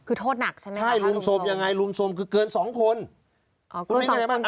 คือโทษหนักใช่ไหมครับ